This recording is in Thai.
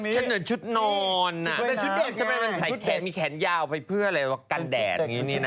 ฉันเหนือชุดนอนแต่ชุดเด็ดใช่ไหมมีแขนยาวไปเพื่ออะไรว่ากันแดด